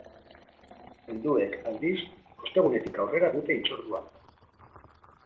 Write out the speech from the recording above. Helduek, aldiz, ostegunetik aurrera dute hitzordua.